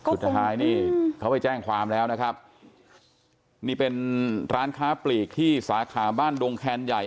สุดท้ายนี่เขาไปแจ้งความแล้วนะครับนี่เป็นร้านค้าปลีกที่สาขาบ้านดงแคนใหญ่